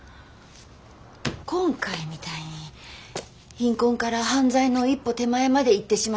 今回みたいに貧困から犯罪の一歩手前までいってしまった児童。